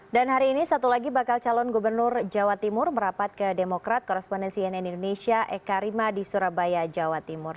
dan hari ini satu lagi bakal calon gubernur jawa timur merapat ke demokrat korrespondensi nn indonesia eka rima di surabaya jawa timur